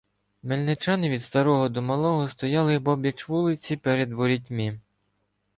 Мельничани від старого до малого стояли обабіч вулиці, перед ворітьми.